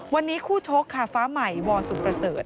วันนี้คู่ชกค่ะฟ้าใหม่วสุมประเสริฐ